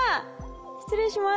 失礼します。